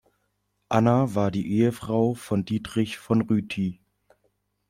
Anna war die Ehefrau von Dietrich von Rüti.